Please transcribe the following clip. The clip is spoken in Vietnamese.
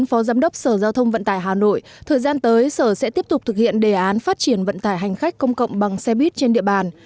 phó giám đốc sở giao thông vận tải hà nội thời gian tới sở sẽ tiếp tục thực hiện đề án phát triển vận tải hành khách công cộng bằng xe buýt trên địa bàn